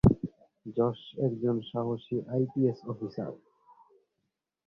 যশ একজন সাহসী I P S officer.